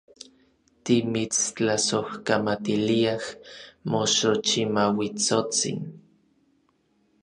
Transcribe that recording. Timitstlasojkamatiliaj, moxochimauitsotsin.